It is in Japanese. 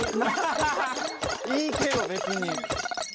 いいけど別に。